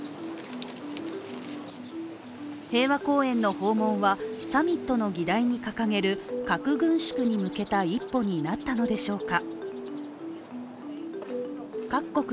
平和公園の訪問は、サミットの議題に掲げる核軍縮に向けた一歩になったのでしょうか。